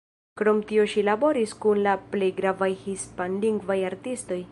Krom tio ŝi laboris kun la plej gravaj hispanlingvaj artistoj.